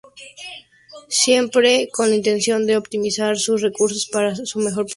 Siempre con la intención de optimizar sus recursos para una mejor producción.